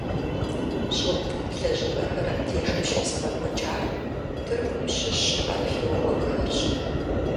ЩӀытӀ лэжьыгъэхэр абдежым щезыгъэкӀуэкӀар Тыркум щыщ археологхэрщ.